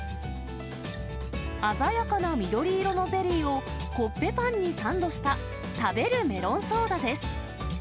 鮮やかな緑色のゼリーを、コッペパンにサンドした食べるメロンソーダです。